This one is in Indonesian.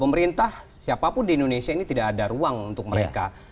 pemerintah siapapun di indonesia ini tidak ada ruang untuk mereka